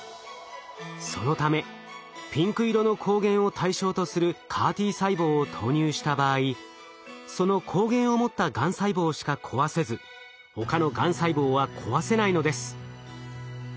そのためピンク色の抗原を対象とするＣＡＲ−Ｔ細胞を投入した場合その抗原を持ったがん細胞しか壊せず他のがん細胞は壊せないのです。